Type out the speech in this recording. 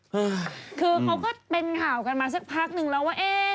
อุ๊ยคือเค้าก็เป็นข่าวกันมาสักพักหนึ่งแล้วว่า